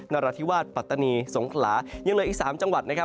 นราธิวาสปัตตานีสงขลายังเหลืออีก๓จังหวัดนะครับ